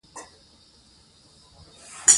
افغانستان کې د چرګانو د پرمختګ هڅې روانې دي.